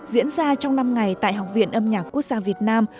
diễn ra trong năm ngày tại học viện âm nhạc quốc gia việt nam